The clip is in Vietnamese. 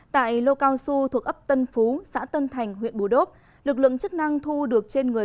tại lô cao su thuộc ấp tân phú xã tân thành huyện bù đốp lực lượng chức năng thu được trên người